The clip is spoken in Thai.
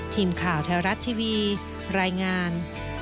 ทีมข่าวไทยรัฐทีวีรายงาน